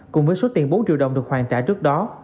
cùng với số tiền bốn triệu đồng được hoàn trả trước đó